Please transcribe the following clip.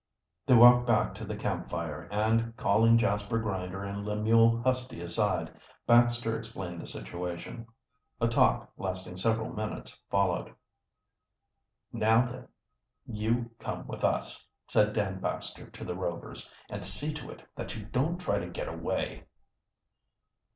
They walked back to the camp fire and, calling Jasper Grinder and Lemuel Husty aside, Baxter explained the situation. A talk, lasting several minutes, followed. "Now then, you come with us," said Dan Baxter to the Rovers. "And see to it that you don't try to get away."